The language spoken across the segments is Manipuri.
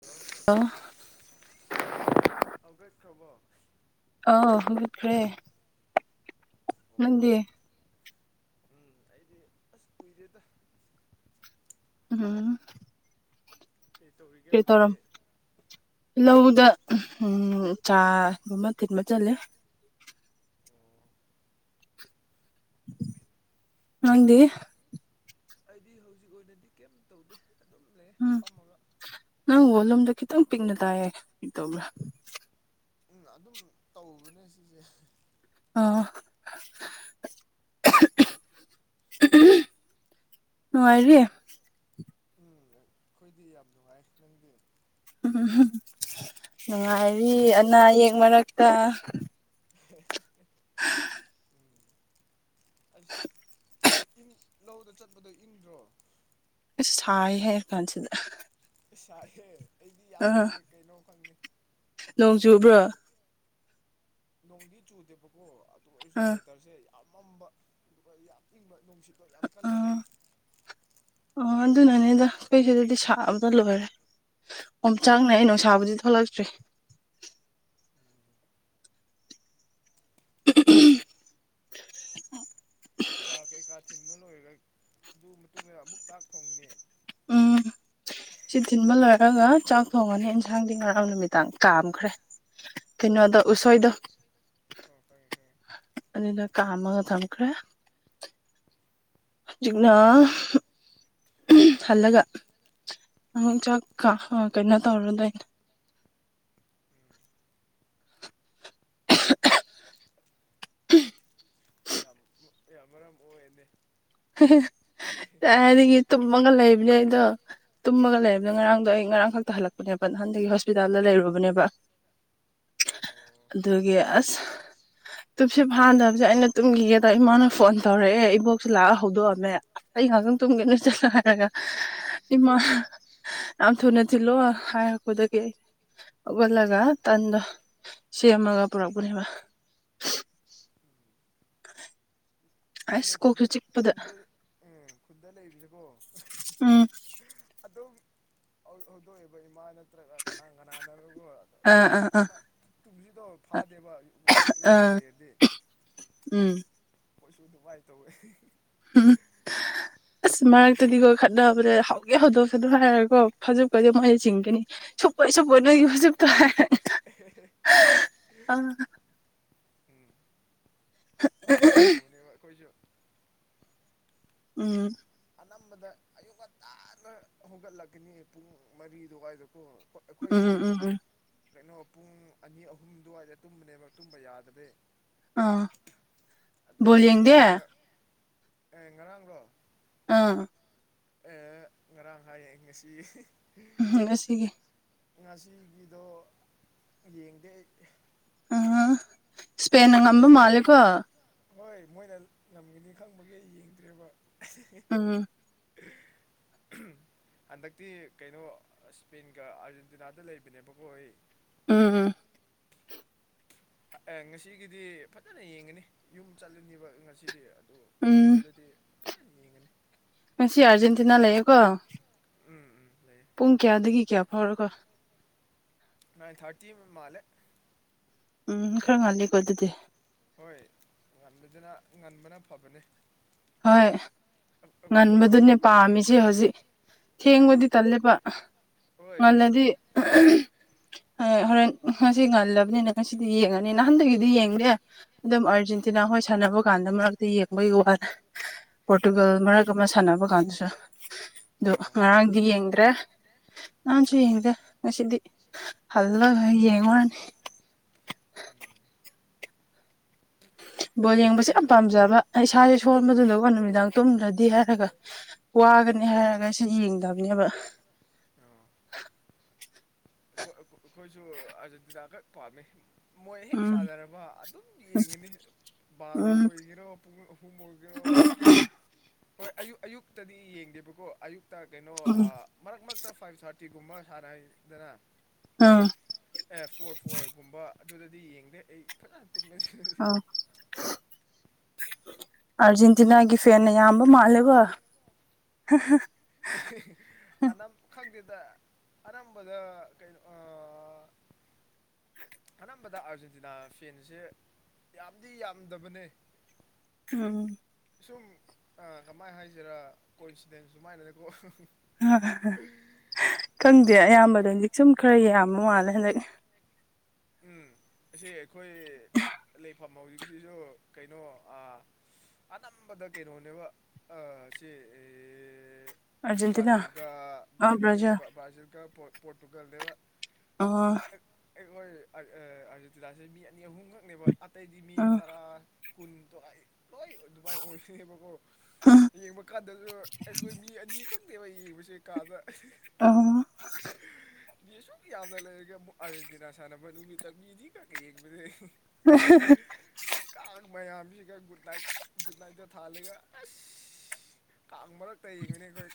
ꯍꯜꯂꯣ ꯍꯧꯒꯠꯈꯔꯕꯣ ꯑꯧ ꯍꯧꯒꯠꯈ꯭ꯔꯦ ꯅꯪꯗꯤ ꯎꯝ ꯑꯩꯗꯤ ꯑꯁ ꯀꯨꯏꯔꯦꯗ ꯎꯝ ꯀꯩꯇꯧꯔꯤꯒꯦ ꯀꯔꯤ ꯇꯧꯔꯝ ꯍꯧꯖꯤꯛꯇꯤ ꯂꯧꯗ ꯆꯥꯒꯨꯝꯕ ꯊꯤꯟꯕ ꯆꯠꯂꯦ ꯅꯪꯗꯤ ꯑꯩꯗꯤ ꯍꯧꯖꯤꯛ ꯑꯣꯏꯅꯗꯤ ꯀꯩꯝ ꯇꯧꯗꯦ ꯑꯗꯨꯝ ꯂꯩꯌꯦ ꯎꯝ ꯐꯝꯃꯒ ꯅꯪ ꯚꯣꯂꯨꯝꯗꯣ ꯈꯤꯇꯪ ꯄꯤꯛꯅ ꯇꯥꯏꯌꯦ ꯀꯔꯤꯇꯧꯕ꯭ꯔꯥ ꯎꯝ ꯑꯗꯨꯝ ꯇꯧꯕꯅꯦ ꯁꯤꯁꯦ ꯑꯥ ꯅꯨꯡꯉꯥꯏꯔꯤ ꯎꯝ ꯑꯩꯈꯣꯏꯗꯤ ꯌꯥꯝ ꯅꯨꯡꯉꯥꯏꯔꯤ ꯅꯪꯗꯤ ꯎꯝ ꯅꯨꯡꯉꯥꯏꯔꯤ ꯑꯅꯥ ꯑꯌꯦꯛ ꯃꯔꯛꯇ ꯍꯦ ꯍꯦ [unintelligible] ꯑꯩꯁ ꯏꯪ ꯂꯧꯗ ꯆꯠꯄꯗꯣ ꯏꯪꯗ꯭ꯔꯣ ꯑꯩꯁ ꯁꯥꯏ ꯍꯥꯏꯔ ꯀꯥꯟꯁꯤꯗ ꯁꯥꯏꯍꯦ ꯑꯩꯗꯤ ꯌꯥꯝ ꯑꯥ ꯏꯪꯉꯦ ꯀꯩꯅꯣ ꯈꯪꯗꯦ ꯅꯣꯡ ꯆꯨꯕ꯭ꯔꯣ ꯅꯣꯡꯗꯤ ꯆꯨꯗꯦꯕꯀꯣ ꯑꯗꯨ ꯑꯩꯁꯨ ꯑꯥ ꯋꯦꯗꯔꯁꯦ ꯑꯃꯝꯕ ꯌꯥꯝ ꯏꯪꯕ ꯅꯨꯡꯁꯤꯠꯇꯣ ꯌꯥꯝ ꯀꯜꯂꯦꯕ ꯑꯥ ꯉꯁꯤ ꯑꯣ ꯑꯗꯨꯅꯅꯤꯗ ꯑꯩꯀꫭꯏꯁꯤꯗꯗꯤ ꯁꯥꯕꯗ ꯂꯣꯏꯔꯦ ꯑꯣꯝꯆꯥꯛꯅꯩ ꯅꯨꯡꯁꯥꯕꯨꯗꯤ ꯊꯣꯛꯂꯛꯇ꯭ꯔꯤ [unintelligible] ꯆꯥ ꯀꯩꯀꯥ ꯊꯤꯟꯕ ꯂꯣꯏꯔꯒ ꯑꯗꯨ ꯃꯇꯨꯡꯗ ꯑꯃꯨꯛ ꯆꯥꯛ ꯊꯣꯡꯒꯅꯤ ꯎꯝ [inaudible] ꯁꯤ ꯊꯤꯟꯕ ꯂꯣꯏꯔꯒ ꯆꯥꯛ ꯊꯣꯡꯉꯅꯤ ꯏꯟꯁꯥꯡꯗꯤ ꯉꯔꯥꯡ ꯅꯨꯃꯤꯗꯥꯡ ꯀꯥꯝꯈ꯭ꯔꯦ ꯀꯩꯅꯣꯗꯨ ꯑꯣ ꯎꯁꯣꯏꯗꯨ ꯑꯣ ꯈꯪꯉꯦ ꯈꯪꯉꯦ ꯑꯗꯨꯗꫭ ꯀꯥꯝꯃꯒ ꯊꯝꯈꯔ‌ꯦ ꯍꯧꯖꯤꯛꯅ ꯍꯜꯂꯒ ꯑꯃꯨꯛ ꯆꯥꯛꯀ ꯀꯩꯅꯣ ꯇꯧꯔꯨꯗꯣꯏꯅꯦ ꯎꯝ ꯌꯥꯝ ꯌꯥꯝ ꯃꯔꯝ ꯃꯣꯛꯑꯦꯅꯦ ꯀꯗꯥꯏꯗꯩꯩ ꯇꯨꯝꯃꯒ ꯂꯩꯕꯅꯦ ꯑꯩꯗꯣ ꯇꯨꯝꯃꯒ ꯂꯩꯕꯅꯦ ꯉꯔꯥꯡꯗꯣ ꯑꯩ ꯉꯔꯥꯡ ꯈꯛꯇ ꯍꯜꯂꯛꯄꯅꯦꯕ ꯅꯍꯥꯟꯗꯒꯤ ꯍꯣꯁꯄꯤꯇꯥꯜꯗ ꯂꯩꯔꯨꯕꯅꯦꯕ ꯎꯝ ꯑꯗꯨꯒꯤ ꯑꯁ ꯇꯨꯝꯁꯤꯠ ꯐꯥꯗꯕꯁꯦ ꯑꯩꯅ ꯇꯨꯝꯈꯤꯒꯦꯗ ꯏꯃꯥꯅ ꯐꯣꯟ ꯇꯧꯔꯛꯑꯦ ꯏꯕꯣꯛꯁ ꯁꯨ ꯂꯥꯛꯑ ꯍꯧꯗꯣꯛꯑꯝꯃꯦ ꯑꯩ ꯉꯥꯏꯍꯥꯛꯇꯪ ꯇꯨꯝꯒꯦꯅ ꯆꯠꯂꯣ ꯍꯥꯏꯔꯒ ꯍꯝ ꯍꯝ ꯍꯝ ꯏꯃꯥ ꯌꯥꯝ ꯊꯨꯅ ꯊꯤꯜꯂꯣ ꯍꯥꯏꯔꯛꯄꯗꯒꯤ ꯑꯩ ꯍꯧꯒꯠꯂꯒ ꯇꯟꯗꯣ ꯁꯦꯝꯃꯒ ꯄꯨꯔꯛꯄꯅꯦꯕ ꯑꯁ ꯑꯗꯨꯅꯦ ꯀꯣꯛꯁꯨ ꯈꯨꯟꯗ ꯆꯤꯛꯄꯗ ꯈꯨꯟꯗ ꯑꯦ ꯈꯨꯟꯗ ꯂꯩꯕꯁꯦꯀꯣ ꯎꯝ ꯑꯗꯨꯝ ꯍꯧꯗꯣꯛꯑꯦꯕ ꯏꯃꯥ ꯅꯠꯇ꯭ꯔꯒ ꯀꯅꯥ ꯀꯅꯥꯅꯕꯨ ꯑꯥ ꯑꯥ ꯑꯥ ꯉꯟꯇꯥꯅ ꯇꯨꯝꯁꯤꯠ ꯇꯣ ꯐꯥꯗꯦꯕ ꯌꯨꯝꯗ ꯑꯥ ꯂꯩꯔꯗꯤ ꯎꯝ ꯈꯣꯏꯁꯨ ꯑꯗꯨꯃꯥꯏ ꯇꯧꯋꯦ ꯎꯝ ꯑꯁ ꯃꯔꯛꯇꯗꯤꯀꯣ ꯈꯠꯅꯕꯅꯦ ꯍꯧꯒꯦ ꯍꯧꯗꯣꯛꯀꯅꯨ ꯑꯗꯨ ꯍꯥꯏꯔꯀꯣ ꯐꯩꯖꯨꯞ ꯀꯁꯨ ꯍꯣꯏ ꯃꯣꯏꯅ ꯆꯤꯡꯒꯅꯤ ꯁꯨꯞꯄꯣꯏ ꯁꯨꯞꯄꯣꯏ ꯅꯣꯏꯒꯤ ꯐꯩꯖꯨꯞꯇꯣ ꯑꯦ ꯍꯦꯍꯦ ꯑ ꯎꯝ ꯑꯗꯨꯃꯥꯏꯅ ꯇꯧꯕꯅꯦꯕ ꯑꯩꯈꯣꯏꯁꯨ ꯎꯝ ꯑꯅꯝꯕꯗ ꯑꯌꯨꯛ ꯉꯟꯇꯥꯅ ꯍꯣꯡꯒꯠꯂꯛꯀꯅꯤ ꯄꯨꯡ ꯃꯔꯤ ꯑꯗꯨꯋꯥꯏꯗꯀꯣ ꯎꯝ ꯑꯩꯈꯣꯏꯗꯤ ꯎꯝ ꯎꯝ ꯀꯩꯅꯣ ꯄꯨꯡ ꯑꯅꯤ ꯑꯍꯨꯝ ꯑꯗꯨꯋꯥꯏꯗ ꯇꯨꯝꯕꯅꯦꯕ ꯇꯨꯝꯕ ꯌꯥꯗꯕꯩ ꯑꯥ ꯑꯗꯨ ꯕꯣꯜ ꯌꯦꯡꯗꯦ ꯇꯨꯝꯃꯤꯀꯥꯟꯗ ꯑꯦ ꯉꯔꯥꯡꯂꯣ ꯑꯥ ꯉꯔꯥꯡ ꯍꯥꯏꯌꯦ ꯉꯁꯤ ꯉꯁꯤꯒꯤ ꯉꯁꯤꯒꯤꯗꯣ ꯌꯦꯡꯗꯦ ꯑꯥ ꯏꯁꯄꯦꯟꯅ ꯀꯩꯅꯣ ꯉꯝꯕ ꯃꯥꯂꯦꯀꯣ ꯍꯣꯏ ꯃꯣꯏꯅ ꯉꯝꯈꯤꯅꯤ ꯈꯪꯕꯒꯤ ꯌꯦꯡꯗ꯭ꯔꯦꯕ ꯎꯝ ꯑꯥꯍꯥ ꯍꯟꯗꯛꯇꯤ ꯀꯩꯅꯣ ꯏꯁꯄꯦꯟꯒ ꯑꯥꯔꯖꯦꯟꯇꯤꯅꯥꯗ ꯂꯩꯕꯅꯦꯕꯀꯣ ꯑꯩ ꯎꯝ ꯎꯝ ꯉꯁꯤꯒꯤꯗꯤ ꯐꯖꯅ ꯌꯦꯡꯉꯅꯤ ꯌꯨꯝ ꯆꯠꯂꯅꯤꯕ ꯉꯁꯤꯗꯤ ꯑꯗꯨ ꯎꯝ ꯆꯠꯂꯗꯤ ꯐꯖꯅꯥ ꯌꯦꯡꯉꯅꯤ ꯉꯁꯤ ꯑꯥꯔꯖꯦꯟꯇꯤꯅꯥ ꯂꯩꯌꯦꯀꯣ ꯎꯝ ꯎꯝ ꯂꯩꯌꯦ ꯄꯨꯡ ꯀꯌꯥꯗꯒꯤ ꯀꯌꯥ ꯐꯥꯎꯔꯀꯣ ꯅꯥꯏꯟ ꯊꯥꯔꯇꯤ ꯃꯥꯂꯦ ꯎꯝ ꯈꯔ ꯉꯜꯂꯤꯀꯣ ꯑꯗꯨꯗꯤ ꯍꯣꯏ ꯉꯟꯕꯗꯨꯅ ꯉꯟꯕꯅ ꯐꯕꯅꯦ ꯍꯣꯏ ꯑꯩꯈꯣꯏꯁꯨ ꯉꯟꯕꯗꯨꯅꯦ ꯌꯨꯝ ꯄꯥꯝꯃꯤꯁꯦ ꯍꯧꯖꯤꯛ ꯑꯦ ꯊꯦꯡꯕꯗꯤ ꯇꯜꯂꯦꯕ ꯍꯣꯏ ꯉꯜꯂꯗꯤ ꯍꯣꯔꯦꯟ ꯉꯁꯤ ꯉꯜꯂꯕꯅꯤꯅ ꯉꯁꯤꯗꯤ ꯌꯦꯡꯉꯅꯤ ꯅꯍꯥꯟꯗꯒꯤꯗꯤ ꯌꯦꯡꯗꯦ ꯑꯗꯨꯝ ꯎꯝ ꯑꯥꯔꯖꯦꯟꯇꯤꯅꯥ ꯍꯣꯏ ꯁꯥꯟꯅꯕ ꯀꯥꯟꯗ ꯃꯔꯛꯇ ꯌꯦꯡꯕꯒꯤ ꯋꯥꯅ‌ꯦ ꯄꯣꯔꯇꯨꯒꯜ ꯑꯣ ꯃꯔꯛ ꯑꯃ ꯁꯥꯟꯅꯕ ꯀꯥꯟꯗꯁꯨ ꯑꯗꯨ ꯑꯣ ꯉꯔꯥꯡꯗꯤ ꯌꯦꯡꯗ꯭ꯔꯦ ꯅꯔꯥꯡꯁꯨ ꯌꯦꯡꯗꯦ ꯉꯁꯤꯗꯤ ꯍꯜꯂꯒ ꯌꯦꯡꯉꯨꯔꯅꯤ ꯕꯣꯜ ꯌꯦꯡꯕꯁꯦ ꯑꯩꯁꯨ ꯌꯥꯝ ꯄꯥꯝꯖꯕ ꯑꯩ ꯏꯁꯥꯁꯦ ꯁꯣꯟꯕꯗꯨꯗꯀ‌ꯣ ꯅꯨꯃꯤꯗꯥꯡ ꯇꯨꯝꯗꯔꯗꯤ ꯍꯥꯏꯔꯒ ꯋꯥꯒꯅꯤ ꯍꯥꯏꯔꯒ ꯑꯩꯁꯦ ꯌꯦꯡꯗꯕꯅꯦꯕ ꯑꯩ ꯑꯩꯈꯣꯏꯁꯨ ꯑꯔꯖ‌ꯦꯟꯇꯤꯅꯥ ꯈꯛ ꯄꯥꯝꯃꯦ ꯃꯣꯏ ꯍꯦꯛ ꯎꯝ ꯁꯥꯥꯟꯅꯔꯕ ꯑꯗꯨꯝ ꯌꯦꯡꯉꯤꯅꯤ ꯕꯥꯔꯣ ꯎꯝ ꯑꯣꯏꯒ‌ꯦꯔꯣ ꯄꯨꯡ ꯑꯍꯨꯝ ꯑꯣꯏꯒꯦꯔꯣ ꯍꯣꯏ ꯑꯌꯨꯛ ꯑꯌꯨꯛꯇꯗꯤ ꯌꯦꯡꯗꯦꯕꯀꯣ ꯑꯌꯨꯛ ꯇ ꯀꯩꯅꯣ ꯎꯝ ꯑꯥ ꯃꯔꯛ ꯃꯔꯛꯇ ꯐꯥꯏꯚ ꯊꯥꯔꯇꯤꯒꯨꯝꯕ ꯁꯥꯟꯅꯩꯗꯅ ꯑꯥ ꯑꯦ ꯐꯣꯔ ꯐꯣꯔꯒꯨꯝꯕ ꯑꯗꯨꯗꯗꯤ ꯌꯦꯡꯗꯦ ꯑꯩ ꯐꯖꯅ ꯇꯨꯝꯃ‌ꯦ ꯑꯣ ꯑꯔꯖꯦꯟꯇꯤꯅꯥꯒꯤ ꯐꯦꯟꯅꯦ ꯌꯥꯝꯕ ꯃꯥꯜꯂ‌ꯦꯕ ꯑꯅꯝ ꯈꯪꯗꯦꯗ ꯑꯅꯝꯕꯗ ꯀꯩꯅꯣ ꯑꯥ ꯑꯅꯝꯕꯗ ꯑꯥꯔꯖꯦꯟꯇꯤꯅꯥ ꯐꯦꯟꯁꯦ ꯌꯥꯝꯗꯤ ꯌꯥꯝꯗꯕꯅꯦ ꯑꯣ ꯁꯨꯝ ꯑꯥ ꯀꯃꯥꯏꯅ ꯍꯥꯏꯁꯤꯔꯥ ꯀꯣꯏ ꯏꯟꯁꯤꯗꯦꯟ ꯁꯨꯃꯥꯏꯅꯀꯣ ꯑ ꯈꯪꯗꯦ ꯑꯌꯥꯝꯕꯗꯗꯤ ꯁꯨꯝ ꯈꯔ ꯌꯥꯝꯕ ꯃꯥꯜꯂꯦ ꯍꯟꯗꯛ ꯎꯝ ꯑꯁꯤ ꯑꯩꯈꯣꯏ ꯂꯩꯐꯝ ꯍꯧꯖꯤꯛꯁꯤꯁꯨ ꯀꯩꯅꯣ ꯑꯥ ꯑꯅꯝꯕꯗ ꯀꯩꯅꯣꯅꯦꯕ ꯑꯥ ꯁꯤ ꯑꯦ ꯑꯥꯔꯖꯦꯟꯇꯤꯅꯥ ꯕ꯭ꯔꯥꯖꯤꯜꯒ ꯑ ꯑꯗꯨ ꯅꯠꯇꯦ ꯕ꯭ꯔꯖꯔ ꯕ꯭ꯔꯥꯖꯤꯜꯒ ꯄꯣꯔꯇꯨꯒꯜꯅꯦꯕ ꯑꯣ ꯑꯩ ꯍꯣꯏ ꯑꯔꯖꯤꯟꯇꯤꯅꯁꯦ ꯃꯤ ꯑꯅꯤ ꯑꯍꯨꯝꯈꯛꯅꯦꯕ ꯑꯇꯩꯗꯤ ꯃꯤ ꯑ ꯇꯔꯥ ꯀꯨꯟ ꯂ‌ꯣꯏ ꯂ‌ꯣꯏ ꯑꯗꯨꯃꯥꯏꯅ ꯑꯣꯏꯕꯅꯦꯕꯀꯣ ꯌꯦꯡꯕ ꯀꯥꯟꯗꯁꯨ ꯑꯩꯈꯣꯏ ꯃꯤ ꯑꯅꯤ ꯈꯪꯅ‌ꯦꯕ ꯌꯦꯡꯕꯁꯦ ꯀꯥꯗ ꯑꯣ ꯃꯤ ꯑꯁꯨꯛ ꯌꯥꯝꯅ ꯂꯩꯔꯒ ꯑꯃꯨꯛ ꯑꯥꯔꯖꯦꯟꯇꯤꯅꯥ ꯁꯥꯟꯅꯕ ꯅꯨꯃꯤꯠꯇ ꯃꯤ ꯑꯅꯤꯈꯛ ꯌꯦꯡꯕꯅꯦ [unintelligible] ꯀꯥꯡ ꯃꯌꯥꯝꯁꯤꯒ ꯒꯨꯠ ꯅꯥꯏꯠ ꯒꯨꯠ ꯅꯥꯏꯠꯒ ꯊꯥꯜꯂꯒ ꯑꯁ ꯀꯥꯡ ꯃꯥꯔꯛꯇ ꯌ‌ꯦꯡꯕꯅꯤ ꯈ‌ꯣꯏ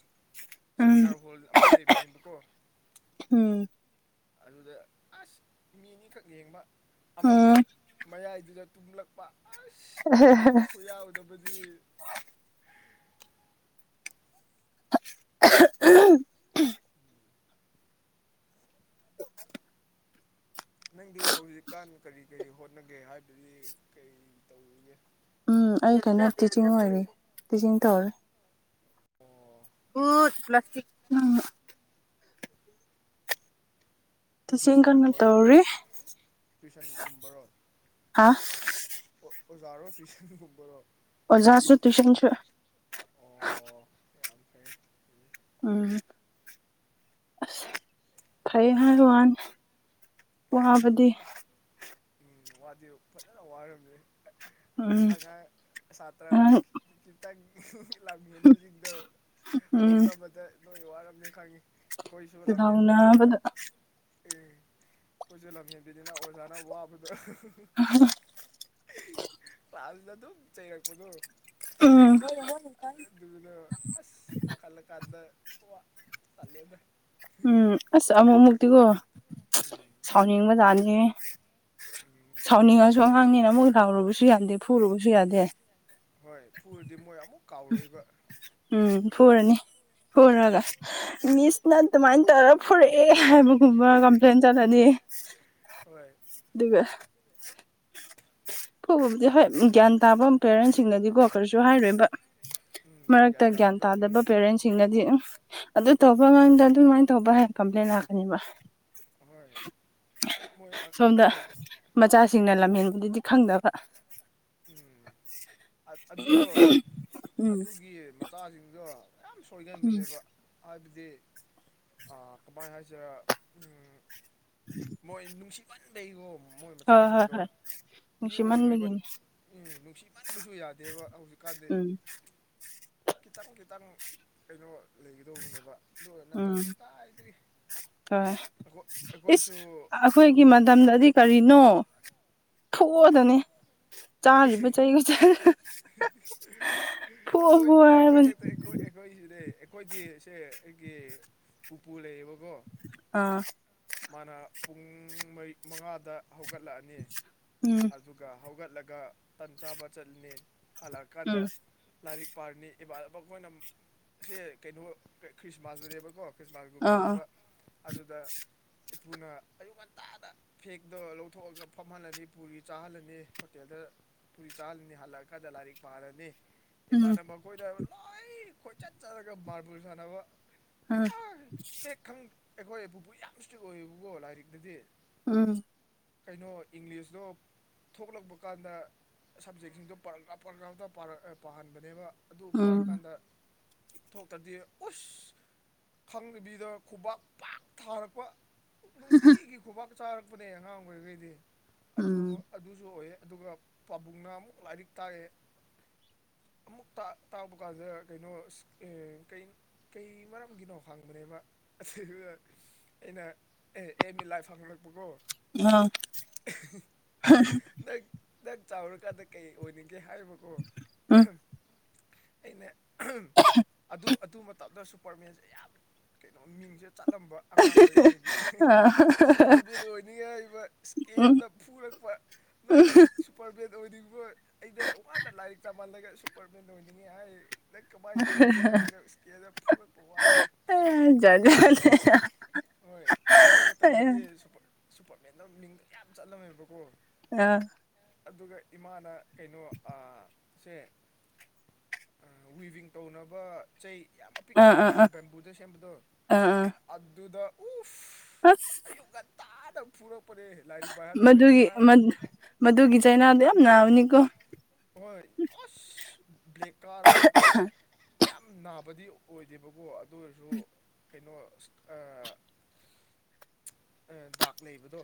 ꯁꯤꯅꯤꯃ ꯎꯝ ꯍꯣꯜ ꯑꯃ ꯂꯩꯕꯅꯦꯕꯀꯣ ꯎꯝ ꯑꯗꯨꯗ ꯑꯁ ꯃꯤ ꯑꯅꯤꯈꯛ ꯌꯦꯡꯕ ꯑꯃꯁꯨ ꯎꯝ ꯃꯌꯥꯏꯗꯨꯗ ꯇꯨꯝꯂꯛꯄ ꯑꯁ ꯕꯤꯠ ꯈꯨꯌꯥꯎꯗꯕꯗꯤ ꯅꯪꯗꯤ ꯍꯧꯖꯤꯛꯀꯥꯟ ꯀꯔꯤ ꯀꯔꯤ ꯍꯣꯠꯅꯒꯦ ꯍꯥꯏꯕꯗꯤ ꯀꯔꯤ ꯇꯧꯔꯤꯒꯦ ꯎꯝ ꯑꯩ ꯀꯩꯅ‌ꯣ ꯇꯤꯆꯤꯡ ꯑꯣꯏꯔꯤ ꯇꯤꯆꯤꯡ ꯇꯧꯔꯤ ꯑꯣ [unintelligible] ꯇꯤꯆꯤꯡ ꯀꯟꯅ ꯇꯨꯏꯁꯟꯒꯨꯝꯕꯔꯣ ꯇꯧꯔꯤ ꯇꯨꯏꯁꯟꯒꯨꯝꯕꯔꯣ ꯍꯥ ꯑꯣꯖꯥꯔꯣ ꯇꯨꯏꯁꯟ ꯒꯨꯝꯕꯔꯣ ꯑꯣꯖꯥꯁꯨ ꯇꯨꯏꯁꯟꯁꯨ ꯑꯣ ꯌꯥꯝ ꯐꯩꯌ‌ꯦ ꯎꯝ ꯑꯁ ꯐꯩꯌ‌ꯦ ꯍꯥꯏꯋꯥꯅꯤ ꯎꯝ ꯋꯥꯗꯤ ꯐꯖꯅ ꯋꯥꯔꯝꯅꯤ ꯎꯝ ꯑꯉꯥꯡ ꯁꯥꯇ꯭ꯔ ꯅꯪ ꯈꯤꯇꯪ ꯂꯝ ꯍꯦꯟꯕꯁꯤꯡꯗ‌ꯣ ꯎꯝ ꯍꯣꯠꯅꯕꯗ ꯅꯣꯏ ꯋꯥꯔꯝꯅꯤ ꯈꯪꯉ‌ꯦ ꯑꯩꯈꯣꯏꯁꯨ ꯂꯝ ꯍꯦꯟꯕꯅꯤꯅ ꯂꯥꯎꯅꯕꯗ ꯑꯦ ꯑꯩꯈꯣꯏꯁꯨꯦ ꯂꯝ ꯍꯦꯟꯕꯤꯅꯤꯅ ꯑꯣꯖꯥꯅ ꯋꯥꯕꯗꯣ [unintelligible] ꯑ [unintelligible] [unintelligible] ꯄꯥꯗ ꯑꯗꯨꯝ ꯆꯩꯔꯛꯄꯗꯣ꯫ ꯎꯝ ꯑꯗꯨꯅ ꯑꯁ ꯈꯜꯂ ꯀꯥꯟꯗ ꯀ ꯈꯜꯂꯦꯗ꯫ ꯎꯝ ꯑꯁ ꯑꯃꯨꯛ ꯑꯃꯨꯛꯇꯤꯀꯣ ꯎꯝ ꯁꯥꯎꯅꯤꯡꯕꯖꯥꯅꯤ꯫ ꯎꯝ ꯁꯥꯎꯅꯤꯡꯉꯁꯨ ꯑꯉꯥꯡꯅꯤꯅ ꯑꯃꯨꯛ ꯂꯥꯎꯔꯨꯕꯁꯨ ꯌꯥꯗꯦ ꯐꯨꯔꯨꯕꯁꯨ ꯌꯥꯗꯦ꯫ ꯍꯣꯏ ꯄꯨꯔꯗꯤ ꯃꯣꯏ ꯑꯃꯨꯛ ꯀꯥꯎꯔꯣꯏꯕ꯫ ꯎꯝ ꯐꯣꯔꯅꯤ ꯎꯝ ꯐꯣꯔꯒ ꯃꯤꯁꯅ ꯑꯗꯨꯃꯥꯏꯅ ꯇꯧꯔ ꯐꯨꯔꯛꯑꯦ ꯍꯥꯏꯕꯒꯨꯝꯕ ꯀꯝꯄ꯭ꯂꯦꯟ ꯆꯧꯂꯅꯤ꯫ ꯍꯣꯏ [unintelligible] ꯑꯗꯨꯒꯕ ꯐꯕꯕꯨꯗꯤ ꯍꯣꯏ ꯒ꯭ꯌꯥꯟ ꯇꯥꯕ ꯄꯦꯔꯦꯟꯁꯤꯡꯅꯗꯤꯀꯣ ꯀꯔꯁꯨ ꯍꯥꯏꯔꯣꯏꯕ꯫ ꯃꯔꯛꯇ ꯒ꯭ꯌꯥꯟ ꯇꯥꯗꯕ ꯄꯦꯔꯦꯟꯁ ꯆꯤꯡꯅꯗꯤ ꯑꯗꯨꯝ ꯑꯗꯨ ꯇꯧꯕ ꯉꯝꯗ ꯑꯗꯨꯃꯥꯏꯅ ꯇꯧꯕ ꯍꯥꯏ ꯀꯝꯄ꯭ꯂꯦꯟ ꯂꯥꯛꯀꯅꯦꯕ꯫ ꯍꯣꯏ ꯃꯣꯏ ꯁꯣꯝꯗ [unintelligible] ꯃꯆꯥꯁꯤꯡꯅ ꯂꯝꯍꯦꯟꯕꯗꯗꯤ ꯈꯪꯗꯕ꯫ ꯎꯝ ꯑꯗꯨꯗꯣ ꯎꯝ ꯑꯗꯨꯒꯤ ꯃꯆꯥꯁꯤꯡꯗꯣ ꯌꯥꯝ ꯎꯝ ꯁꯣꯏꯒꯟꯕꯅꯦꯕ ꯍꯥꯏꯕꯗꯤ ꯀꯃꯥꯏ ꯍꯥꯏꯁꯤꯔꯥ ꯎꯝ ꯃꯣꯏ ꯅꯨꯡꯁꯤꯍꯟꯕꯩꯉꯣ ꯃꯣꯏ ꯍꯣꯏ ꯍꯣꯏ ꯃꯆꯥꯁꯤꯡꯗꯣ꯫ ꯍꯣꯏ ꯃꯤ ꯑꯣꯏꯔꯣꯏꯕ ꯅꯨꯡꯁꯤꯃꯟꯕꯒꯤꯅꯤ ꯅꯨꯡꯁꯤꯃꯟꯕꯁꯨ ꯌꯥꯗꯦꯕ ꯍꯧꯖꯤꯛꯀꯥꯟꯗꯤ꯫ ꯎꯝ ꯈꯤꯇꯪ ꯈꯤꯇꯪ ꯀꯩꯅꯣ ꯂꯩꯒꯗꯧꯕꯅꯦꯕ ꯑꯗꯨꯔ ꯎꯝ ꯅꯠꯇ꯭ꯔꯗꯤ ꯀꯥꯏꯗꯒꯤ꯫ ꯍꯣꯏ [unintelligible] ꯏꯁ ꯑꯩꯈꯣꯏꯁꯨ ꯑꯩꯈꯣꯏꯒꯤ ꯃꯇꯝꯗꯗꯤ ꯀꯔꯤꯅꯣ ꯐꯨꯑꯣꯗꯅꯤ꯫ ꯆꯥꯔꯤꯕ ꯆꯩꯒ ꯐꯨꯑꯣ [unintelligible] ꯅꯣꯏ ꯐꯨꯑꯣ ꯃꯇꯥ ꯈꯛ ꯍꯥꯏꯕꯅꯤ ꯂꯩꯇ ꯑꯈꯣꯏ ꯑꯩꯈꯣꯏ ꯁꯤꯗꯤ ꯑꯩꯈꯣꯏꯗꯤ ꯁꯦ ꯑꯩꯒꯤ ꯄꯨꯄꯨ ꯂꯩꯌꯦꯕꯀꯣ꯫ ꯑꯥ ꯃꯥꯅ ꯄꯨꯡ ꯃꯔꯤ ꯃꯉꯥꯗ ꯍꯧꯒꯠꯂꯛꯑꯅꯤ ꯎꯝ ꯑꯗꯨꯒ ꯍꯧꯒꯠꯂꯒ ꯇꯟ ꯆꯥꯕ ꯆꯠꯂꯤꯅꯤ ꯍꯜꯂꯛꯑꯀꯥꯟꯗ ꯎꯝ ꯂꯥꯏꯔꯤꯛ ꯄꯥꯔꯅꯤ ꯏ ꯑꯩꯈꯣꯏꯅ ꯁꯦ ꯀꯩꯅꯣ ꯈ꯭ꯔꯤꯁꯃꯥꯁꯇꯅꯦꯕꯀꯣ꯫ ꯑꯥ ꯑꯥ ꯈ꯭ꯔꯤꯁꯃꯥꯁꯀꯨꯝꯕꯅꯦꯕ ꯑꯗꯨꯗ ꯏꯄꯨꯅ ꯑꯌꯨꯛ ꯉꯟꯇꯥꯗ ꯐꯦꯛꯇꯣ ꯂꯧꯊꯣꯛꯑꯒ ꯐꯝꯍꯜꯂꯅꯤ ꯄꯨꯔꯤ ꯆꯥꯍꯜꯂꯅꯤ ꯍꯣꯇꯦꯜꯗ ꯄꯨꯨꯔꯤ ꯆꯜ ꯅꯤꯡꯅꯤꯍꯂꯒ ꯖꯂꯥꯔꯤ ꯎꯝ ꯃꯥꯥꯔꯅꯦꯕꯥꯅ ꯑꯩꯈꯣꯏꯗ ꯍꯥꯏꯕ ꯂꯥꯏ ꯈꯣꯏꯆꯠ ꯆꯠꯂꯒ ꯃꯥꯕꯨꯜ ꯁꯥꯟꯅꯕ ꯎꯝ ꯑ ꯍꯦꯛ ꯈꯪ ꯑꯩꯈꯣꯏ ꯄꯨꯄꯨ ꯌꯥꯝ ꯏꯁꯇ꯭ꯔꯤꯛ ꯑꯣꯏꯌꯦꯕꯀꯣ ꯂꯥꯏꯔꯤꯛꯇꯗꯤ꯫ ꯎꯝ ꯀꯩꯅꯣ ꯏꯪꯂꯤꯁꯇꯣ ꯊꯣꯛꯂꯛꯄ ꯀꯥꯟꯗ ꯁꯞꯖꯦꯛꯁꯤꯡꯗꯣ ꯄꯔꯒ꯭ꯔꯥ ꯄꯔꯒ꯭ꯔꯥꯝꯇ ꯄꯥꯍꯟꯕꯅꯦꯕ ꯑꯗꯨ ꯎꯝ ꯄꯥꯔꯀꯥꯟꯗ ꯊꯣꯛꯇꯗꯤ ꯎꯁ ꯈꯪꯕꯤꯗ ꯈꯨꯕꯥꯛ ꯄꯥꯛ ꯊꯥꯔꯛꯄ꯫ ꯅꯨꯡꯇꯤꯒꯤ ꯈꯨꯕꯥꯛ ꯆꯥꯔꯛꯄꯅꯦ ꯑꯉꯥꯡ ꯑꯣꯏꯔꯤꯈꯩꯗꯤ ꯑꯗꯨ ꯎꯝ ꯑꯗꯨꯁꯨ ꯑꯣꯏ ꯑꯗꯨꯒ꯫ ꯄꯥꯕꯨꯡꯅ ꯑꯃꯨꯛ ꯂꯥꯏꯔꯤꯛ ꯇꯥꯛꯑꯦ꯫ ꯑꯃꯨꯛ ꯇꯥꯛꯕ ꯀꯥꯟꯗ ꯀꯩꯅꯣ ꯀꯩ꯫ ꯀꯩ ꯃꯔꯝꯒꯤꯅꯣ ꯍꯪꯕꯅꯦꯕ [unintelligible] ꯑꯩꯅ ꯑꯦ ꯑꯦꯝ ꯑꯦ ꯂꯥꯏ ꯐꯪꯂꯛꯄꯀꯣ ꯑ ꯅꯪ ꯅꯪ ꯆꯥꯎꯔꯛ ꯀꯥꯗ ꯀꯩ ꯑꯣꯏꯅꯤꯡꯒꯦ ꯍꯥꯏꯔꯤꯕꯀꯣ ꯑꯩꯅ ꯑꯗꯨ ꯑꯗꯨ ꯃꯇꯝꯗ ꯁꯨꯄꯔꯃꯦꯟꯁꯦ ꯌꯥꯝ ꯀꯩꯅꯣ ꯃꯤꯡꯁꯦ ꯆꯠꯂꯝꯕ꯫ ꯑꯉꯥꯡ ꯑꯣꯏꯔꯤꯉꯩꯗꯤ ꯁꯨꯄꯔꯕꯤꯠ ꯑꯣꯏꯅꯤꯡꯉꯩ [unintelligible] ꯍꯥꯏꯕ ꯎꯝ ꯏꯁꯀꯦꯜꯗ ꯐꯨꯔꯛꯄ ꯅꯪ ꯁꯨꯄꯔꯚꯦꯟ ꯑꯣꯏꯅꯤꯡꯔꯤꯕꯣ ꯑꯩꯗ ꯋꯥꯗ ꯂꯥꯏꯔꯤꯛ ꯇꯝꯍꯜꯂꯒ ꯁꯨꯄꯔꯃꯦꯟ ꯑꯣꯏꯅꯤꯡꯉꯤ ꯍꯥꯏ ꯅꯪ ꯀꯃꯥꯏ ꯇꯧꯗꯦ ꯍꯥꯏꯔꯒ [unintelligible] ꯐꯨꯔꯛꯄ ꯋꯥꯅꯤꯗ꯫ ꯑꯥꯏ ꯖꯥꯠ ꯖꯥꯠꯅꯦ ꯍꯣꯏ ꯑꯗꯨ ꯃꯇꯝꯗꯗꯤ ꯁꯨꯞꯄ ꯁꯨꯄꯔꯃꯦꯟꯗꯣ ꯃꯤꯡꯗ ꯌꯥꯝ ꯆꯠꯂꯝꯃꯦꯕꯀꯣ ꯑ ꯑꯗꯨꯒ ꯏꯃꯥꯅ ꯀꯩꯅꯣ ꯑ ꯁꯦ ꯎꯝ ꯋꯤꯚꯤꯡ ꯇꯧꯅꯕ ꯆꯩ ꯌꯥꯝ ꯑꯄꯤꯛꯄ ꯑꯥ ꯑꯄꯤꯛꯄ ꯑꯥ ꯕꯦꯝꯕꯨꯗ ꯁꯦꯝꯕꯗꯣ ꯑꯥ ꯑꯥ ꯑꯗꯨꯗ ꯎꯐ ꯑꯁ ꯑꯌꯨꯛ ꯉꯟꯇꯥꯗ ꯐꯨꯔꯛꯄꯅꯦ ꯂꯥꯏꯔꯤꯛ ꯄꯥꯏ ꯃꯗꯨꯒꯤ ꯉꯔꯥꯡ ꯃꯗ ꯃꯗꯨꯒꯤ ꯆꯩꯅꯥꯗꯣ ꯌꯥꯝ ꯅꯥꯕꯅꯤꯀꯣ ꯍꯣꯏ ꯑꯁ ꯕ꯭ꯂꯦꯛ ꯀꯥꯔꯒ ꯀꯩꯅꯣ ꯌꯥꯝ ꯅꯥꯕꯗꯤ ꯑꯣꯏꯗꯦꯕꯀꯣ ꯑꯗꯨ ꯑꯣꯏꯔꯁꯨ ꯀꯩꯅꯣ ꯑꯁ ꯑ ꯑ ꯗꯥꯛ ꯂꯩꯕꯗꯣ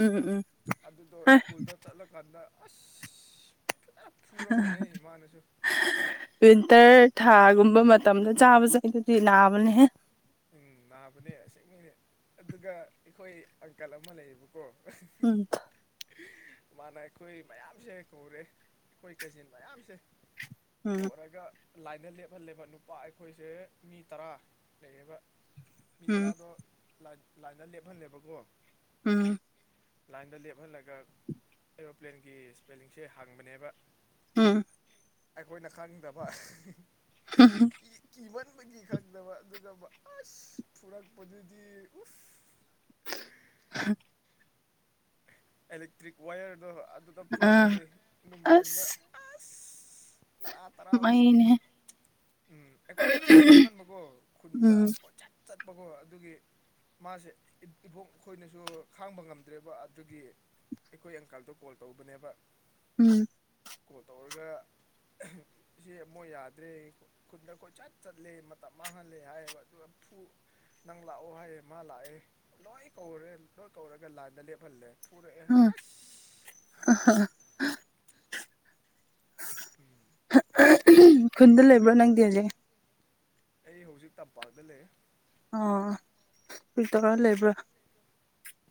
ꯎꯝ ꯎꯝ ꯎꯝ ꯑꯗꯨꯗꯣ ꯍ ꯁ꯭ꯀꯨꯜꯗ ꯆꯠꯂꯀꯥꯟꯗ ꯑꯁ ꯐꯖꯅ ꯐꯨꯔꯝꯕꯅꯦꯍꯦ [unintelligible] ꯃꯥꯅꯁꯨ ꯋꯤꯟꯇꯔ ꯊꯥꯒꯨꯝꯕ ꯃꯇꯝꯗ ꯆꯥꯕ ꯆꯩꯗꯨꯗꯤ ꯅꯥꯕꯅꯦꯍꯦ ꯎꯝ ꯅꯥꯕꯅꯦ ꯑꯁꯦꯡꯕꯩꯅꯦ ꯑꯗꯨꯒ ꯑꯩꯈꯣꯏ ꯑꯪꯀꯜ ꯑꯃ ꯂꯩꯌꯦꯕꯀꯣ ꯎꯝ [unintelligible] ꯃꯥꯅ ꯑꯩꯈꯣꯏ ꯃꯌꯥꯝꯁꯦ ꯀꯧꯔꯦ ꯑꯩꯈꯣꯏ ꯀꯥꯖꯤꯟ ꯃꯌꯥꯝꯁꯦ ꯎꯝ ꯀꯧꯔꯒ ꯂꯥꯏꯟꯗ ꯂꯦꯞꯍꯜꯂꯦꯕ ꯅꯨꯄꯥ ꯑꯩꯈꯣꯏꯁꯦ ꯃꯤ ꯇꯔꯥ ꯂꯩꯌꯦꯕ ꯃꯤ ꯎꯝ ꯇꯔꯥꯗꯣ ꯂꯥꯏꯟ ꯂꯥꯏꯟꯗ ꯂꯦꯞꯍꯜꯂꯦꯕꯀꯣ ꯎꯝ ꯂꯥꯏꯟꯗ ꯂꯦꯞꯍꯜꯂꯒ ꯑꯦꯔꯣꯄ꯭ꯂꯦꯟꯒꯤ ꯏꯁꯄꯦꯂꯤꯡꯁꯦ ꯍꯪꯕꯅꯦꯕ ꯎꯝ ꯑꯩꯈꯣꯏꯅ ꯈꯪꯗꯕ ꯍꯝꯍꯝ ꯀꯤꯃꯟꯕꯒꯤ ꯈꯪꯗꯕ ꯑꯗꯨꯒꯕ ꯑꯁ ꯐꯨꯔꯛꯄꯗꯨꯗꯤ ꯎꯐ [inaudible] ꯑꯦꯂꯦꯛꯇ꯭ꯔꯤꯛ ꯋꯥꯏꯌꯔꯗꯣ ꯑꯗꯨꯗ ꯑꯥ ꯐꯨꯔꯛꯄꯅꯦ ꯅꯨꯡꯗꯥꯡꯗ ꯑꯁ ꯑꯥꯁ ꯇꯔꯥ ꯇꯔꯥꯃꯨꯛ ꯃꯩꯅꯦ ꯎꯝ ꯑꯩꯈꯣꯏꯗꯣ ꯂꯝꯍꯦꯟꯃꯟꯕꯀꯣ ꯈꯨꯟꯗ ꯎꯝ ꯀꯣꯏꯆꯠ ꯆꯠꯄꯀꯣ ꯑꯗꯨꯒꯤ ꯃꯥꯁꯦ ꯏꯕꯣꯡ ꯑꯩꯈꯣꯏꯅꯁꯨ ꯈꯥꯡꯕ ꯉꯝꯗ꯭ꯔꯦꯕ ꯑꯗꯨꯒꯤ ꯑꯩꯈꯣꯏ ꯑꯪꯀꯜꯗꯣ ꯀꯣꯜ ꯇꯧꯕꯅꯦꯕ [inaudible] ꯀꯣꯜ ꯇꯧꯔꯒ ꯁꯤ ꯃꯣꯏ ꯌꯥꯗ꯭ꯔꯦ ꯈꯨꯟꯗ ꯀꯣꯏꯆꯠ ꯆꯠꯂꯦ ꯃꯇꯝ ꯃꯥꯡꯍꯜꯂꯦ ꯍꯥꯏꯌꯦꯕ ꯑꯗꯨꯒ ꯐꯨꯕ ꯅꯪ ꯂꯥꯛꯑꯣ ꯍꯥꯏꯌꯦ ꯃꯥ ꯂꯥꯛꯑꯦ ꯂꯣꯏ ꯀꯧꯔꯦ ꯂꯣꯏ ꯀꯧꯔꯒ ꯂꯥꯏꯟꯗ ꯂꯦꯞꯍꯜꯂꯦ ꯐꯨꯔꯛꯑꯦ ꯎꯝ ꯑꯁ [inaudible] [inaudible] ꯈꯨꯟꯗ ꯂꯩꯕ꯭ꯔꯣ ꯅꯪꯗꯤ ꯍꯧꯖꯤꯛ ꯑꯩ ꯍꯧꯖꯤꯛ ꯇꯝꯄꯥꯛꯇ ꯂꯩ ꯑꯣ [unintelligible] ꯇꯧꯔꯥ ꯂꯩꯕ꯭ꯔꯥ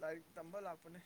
ꯂꯥꯏꯔꯤꯛ ꯇꯝꯕ ꯂꯥꯛꯄꯅꯦ